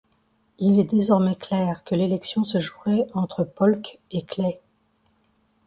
Il était désormais clair que l'élection se jouerait entre Polk et Clay.